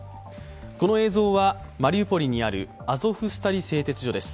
この映像はマリウポリにあるアゾフスタリ製鉄所です。